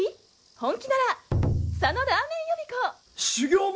本気なら佐野らーめん予備校